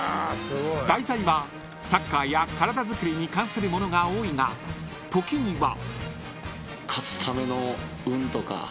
［題材はサッカーや体づくりに関するものが多いが時には］